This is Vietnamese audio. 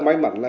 may mắn là